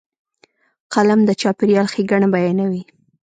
قلم د چاپېریال ښېګڼه بیانوي